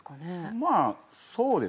まあそうですね。